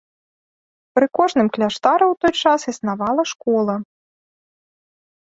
Пры кожным кляштары ў той час існавала школа.